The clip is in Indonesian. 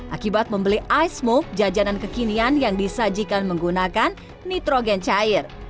akibat membeli ice smoke jajanan kekinian yang disajikan menggunakan nitrogen cair